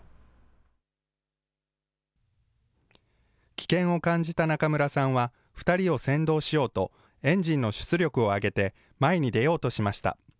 危険を感じた中村さんは、２人を先導しようと、エンジンの出力を上げて、前に出ようとしました。